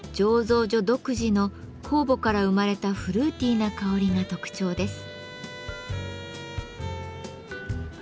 醸造所独自の酵母から生まれたフルーティーな香りが特徴です。